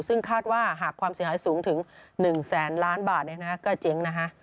ซึ่งคาดว่าหากความเสียหายสูงถึง๑แสนล้านบาทก็เจ๊งนะฮะ